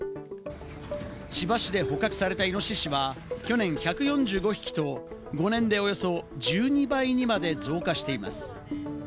千葉市で捕獲されたイノシシは去年１４５匹と５年でおよそ１２倍にまで増加しています。